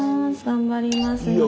頑張りますよ。